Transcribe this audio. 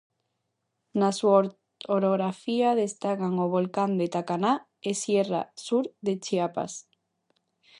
Na súa orografía destacan o volcán de Tacaná e a Sierra Sur de Chiapas.